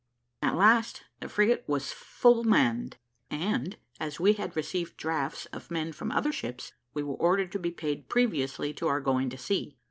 At last the frigate was full manned; and, as we had received drafts of men from other ships, we were ordered to be paid previously to our going to sea.